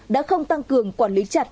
đã không tăng cường quản lý chặt